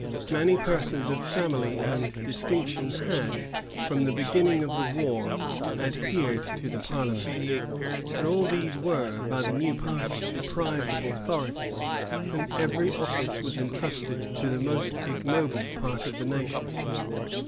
Many persons of family and distinction had, from the beginning of the war, adhered to the parliament: but all these were, by the new party, deprived of authority; and every office was intrusted to the most ignoble part of the nation.